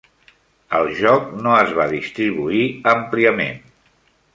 El joc no es va distribuir àmpliament.